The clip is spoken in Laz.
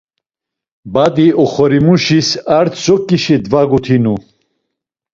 Badi oxorimuşis a tzo ǩişi dvagutinu.